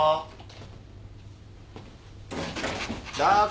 あ！